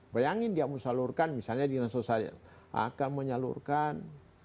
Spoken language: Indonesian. bayangin dia menyalurkan misalnya dinas sosial akan menyalurkan